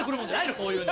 こういうの。